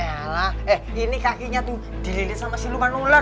eh lah eh ini kakinya tuh dirilis sama siluman ular